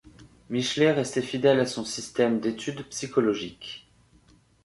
Michelet restait fidèle à son système d’études psychologiques.